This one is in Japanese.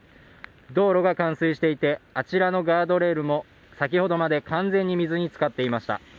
道路が冠水していて、あちらのガードレールも先ほどまで完全に水につかっていました。